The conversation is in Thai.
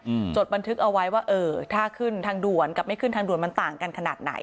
จดบันทึกเอาไว้ว่าเออถ้าขึ้นทางด่วนกับไม่ขึ้นทางด่วนมันต่างกันขนาดไหน